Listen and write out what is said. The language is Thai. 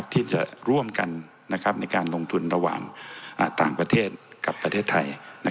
ที่จะร่วมกันในการลงทุนระหว่างต่างประเทศกับประเทศไทย